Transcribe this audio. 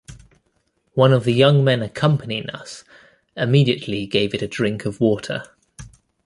One of the young men accompanying us immediately gave it a drink of water.